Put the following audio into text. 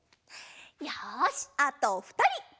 よしあとふたり。